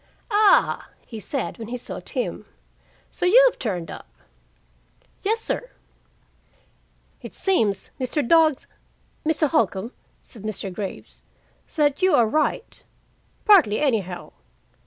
"Ah!" he said, when he saw Tim. "So you've turned up!" "Yes, sir." "It seems, Mr. Dog's Mr. Holcombe," said Mr. Graves, "that you are right, partly, anyhow.